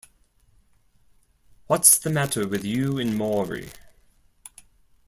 What's the matter with you and Maury?